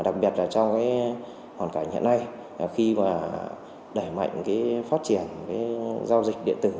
đặc biệt là trong hoàn cảnh hiện nay khi đẩy mạnh phát triển giao dịch điện tử